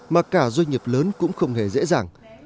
mà cả doanh nghiệp lớn cũng không hề dễ dàng